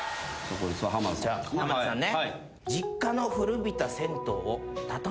じゃあ濱田さんね。